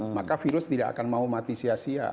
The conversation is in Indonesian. maka virus tidak akan mau mati sia sia